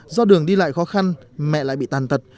do đường đi lại khó khăn mẹ lại bị tàn tật